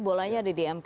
bolanya di dmk